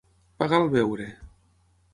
Pagar el beure.